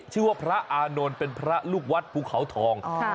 ชื่อว่าพระอานนท์เป็นพระลูกวัดภูเขาทอง